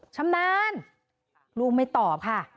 ชำนาญลูกไม่ตอบค่ะ